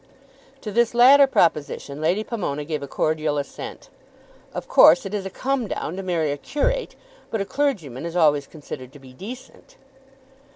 To this latter proposition Lady Pomona gave a cordial assent. "Of course it is a come down to marry a curate, but a clergyman is always considered to be decent."